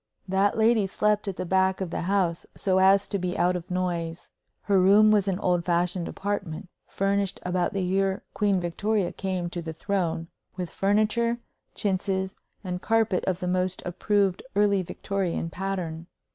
That lady slept at the back of the house, so as to be out of noise. Her room was an old fashioned apartment, furnished about the year Queen Victoria came to the throne, with furniture, chintzes, and carpet of the most approved early Victorian pattern.